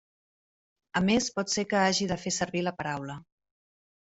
A més pot ser que hagi de fer servir la paraula.